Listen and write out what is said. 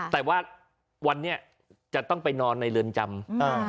แต่ว่าวันนี้จะต้องไปนอนในเรือนจำ